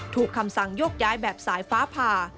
คำสั่งโยกย้ายแบบสายฟ้าผ่า